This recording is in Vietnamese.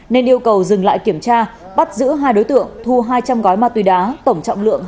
nên yêu cầu dừng lại kiểm tra bắt giữ hai đối tượng thu hai trăm linh gói ma tùy đá tổng trọng lượng hai trăm linh kg